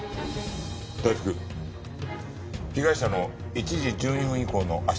大福被害者の１時１２分以降の足取りは？